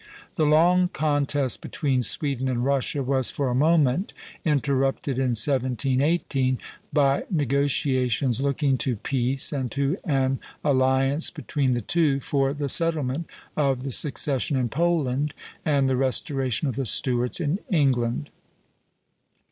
The long contest between Sweden and Russia was for a moment interrupted in 1718, by negotiations looking to peace and to an alliance between the two for the settlement of the succession in Poland and the restoration of the Stuarts in England.